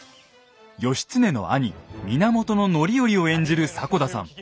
義経の兄源範頼を演じる迫田さん。